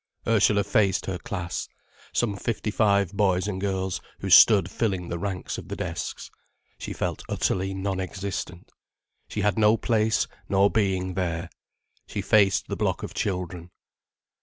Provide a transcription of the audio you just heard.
Ursula faced her class, some fifty five boys and girls, who stood filling the ranks of the desks. She felt utterly nonexistent. She had no place nor being there. She faced the block of children.